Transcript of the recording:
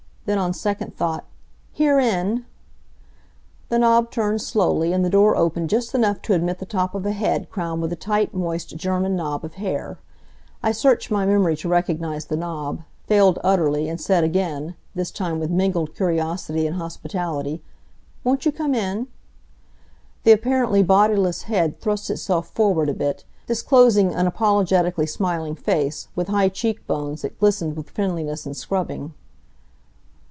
Then, on second thought: "Herein!" The knob turned slowly, and the door opened just enough to admit the top of a head crowned with a tight, moist German knob of hair. I searched my memory to recognize the knob, failed utterly and said again, this time with mingled curiosity and hospitality: "Won't you come in?" The apparently bodiless head thrust itself forward a bit, disclosing an apologetically smiling face, with high check bones that glistened with friendliness and scrubbing.